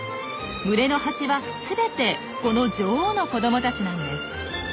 群れのハチは全てこの女王の子どもたちなんです。